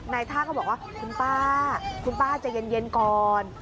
ท่าก็บอกว่าคุณป้าคุณป้าใจเย็นก่อน